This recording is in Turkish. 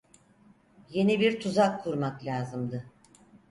Yeni bir tuzak kurmak lazımdı.